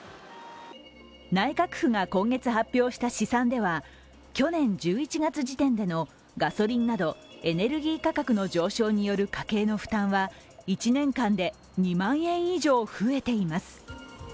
内閣府が今月発表した試算では去年１１月時点でのガソリンなどエネルギー価格の上昇による家計の負担は１年間で２万円以上増えています。